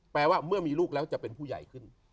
ว่าเมื่อมีลูกแล้วจะเป็นผู้ใหญ่ขึ้น